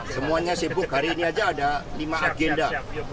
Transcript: semuanya sibuk hari ini saja ada lima agenda